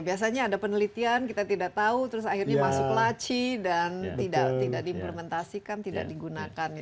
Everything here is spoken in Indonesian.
biasanya ada penelitian kita tidak tahu terus akhirnya masuk laci dan tidak diimplementasikan tidak digunakan ya